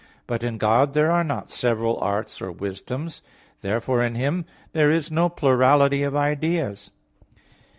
But in God there are not several arts or wisdoms. Therefore in Him there is no plurality of ideas.